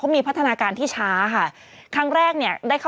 เมื่อ